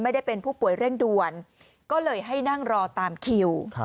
ไม่ได้เป็นผู้ป่วยเร่งด่วนก็เลยให้นั่งรอตามคิว